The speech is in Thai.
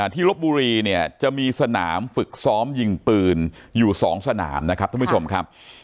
ลบบุรีเนี่ยจะมีสนามฝึกซ้อมยิงปืนอยู่๒สนามนะครับท่านผู้ชมครับ